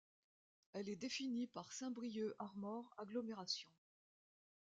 Elle est définie par Saint-Brieuc Armor Agglomération.